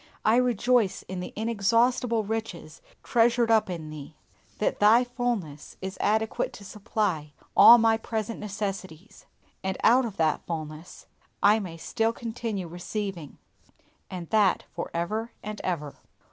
I rejoice in the inexhaustible riches treasured up in Thee that Thy fullness is adequate to supply all my present necessities; and out of that fullness I may still continue receiving, and that for ever and ever!